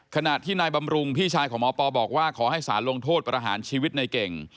ขณะที่นายบำรุงพี่ชายของหมอปอบอกว่าขอให้สารลงโทษประหารชีวิตในเก่ง